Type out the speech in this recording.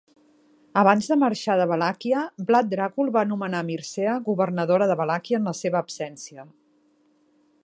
Abans de marxar de Valàquia, Vlad Dracul va nomenar Mircea governadora de Valàquia en la seva absència.